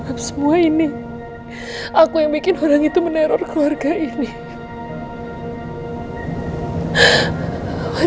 terima kasih ya